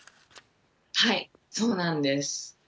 はい、そうなんです。